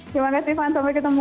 terima kasih van sampai ketemu